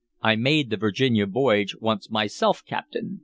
I made the Virginia voyage once myself, captain."